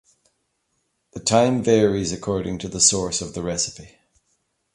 The time varies according to the source of the recipe.